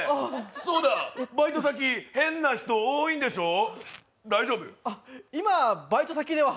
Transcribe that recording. そうだ、バイト先、変な人多いんでしょう？